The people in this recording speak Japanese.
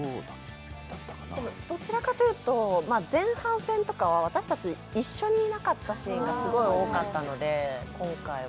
どちらかというと前半戦は私たち、一緒にいなかったシーンが多かったので。